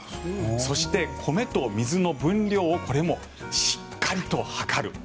そして、米と水の分量をこれもしっかりと量る。